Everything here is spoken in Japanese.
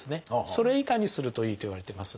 それ以下にするといいといわれてます。